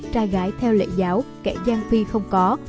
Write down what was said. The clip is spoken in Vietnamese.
trai gái theo lệ giáo kẻ gian phi không có